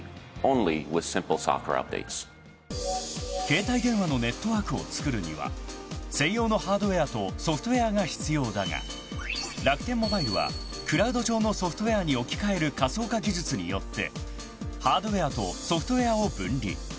［携帯電話のネットワークをつくるには専用のハードウエアとソフトウエアが必要だが楽天モバイルはクラウド上のソフトウエアに置き換える仮想化技術によってハードウエアとソフトウエアを分離］